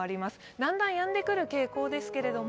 だんだんやんでくる傾向ですけれども、